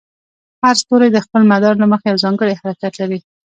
هر ستوری د خپل مدار له مخې یو ځانګړی حرکت لري.